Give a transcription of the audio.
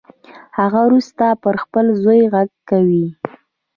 هغه وروسته پر خپل زوی غږ کوي